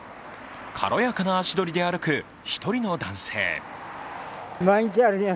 軽やかな足どりで歩く一人の男性。